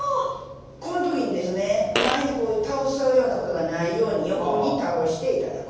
このときにですね前に倒しちゃうようなことがないように横に倒していただく。